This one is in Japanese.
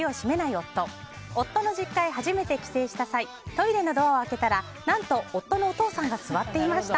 夫の実家へ初めて帰省した際トイレのドアを開けたら何と夫のお父さんが座っていました。